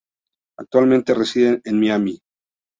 Actualmente reside en Miami.